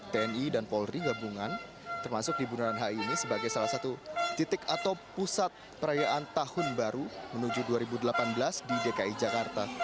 tni dan polri gabungan termasuk di bundaran hi ini sebagai salah satu titik atau pusat perayaan tahun baru menuju dua ribu delapan belas di dki jakarta